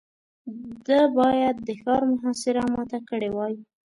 ده بايد د ښار محاصره ماته کړې وای.